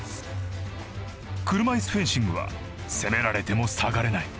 車いすフェンシングは攻められても下がれない。